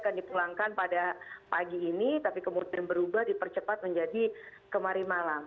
akan dipulangkan pada pagi ini tapi kemudian berubah dipercepat menjadi kemari malam